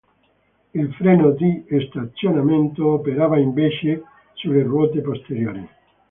Il freno di stazionamento operava invece sulle ruote posteriori.